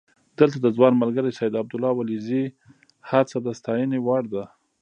دلته د ځوان ملګري سید عبدالله ولیزي هڅه د ستاینې ده.